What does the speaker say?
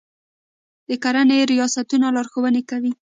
د کرنې ریاستونه لارښوونې کوي.